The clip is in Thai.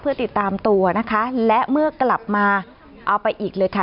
เพื่อติดตามตัวนะคะและเมื่อกลับมาเอาไปอีกเลยค่ะ